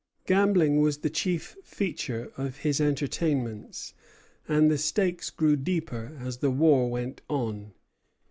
Gambling was the chief feature of his entertainments, and the stakes grew deeper as the war went on.